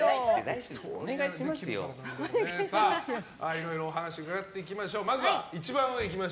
いろいろお話を伺っていきましょう。